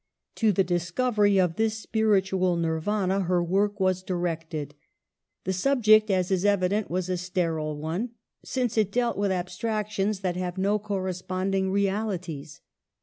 To the discovery of this spiritual Nirvana her work was directed. The subject, %s is evident, was a sterile one, since it dealt with abstractions that have no correspond ing realities.